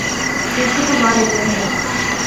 کیسے کما لیتے ہیں؟